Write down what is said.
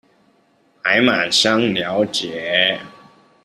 還滿想了解